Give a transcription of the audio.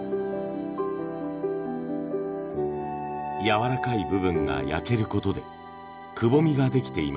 やわらかい部分が焼ける事でくぼみができていました。